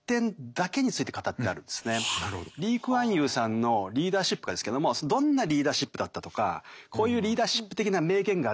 リー・クアンユーさんのリーダーシップがですけどもどんなリーダーシップだったとかこういうリーダーシップ的な名言があって。